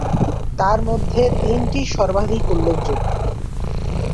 তার মধ্যে তিনটি সর্বাধিক উল্লেখযোগ্য।